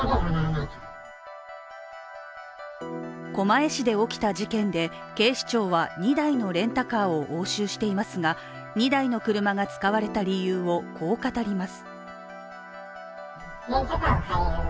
狛江市で起きた事件で警視庁は２台のレンタカーを押収していますが、２台の車が使われた理由をこう語ります。